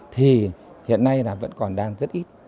thì hiện nay là vẫn còn đang rất ít